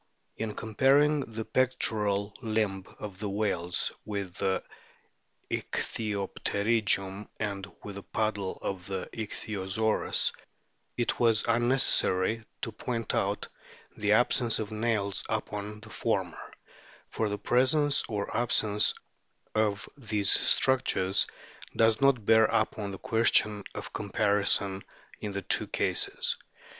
In comparing the pectoral limb of the whales with the ichthyopterygium and with the paddle of the Ichthyosaurus, it was unnecessary to point out the absence of nails upon the former ; for the presence or absence of these structures does not bear upon the question of comparison in those two cases.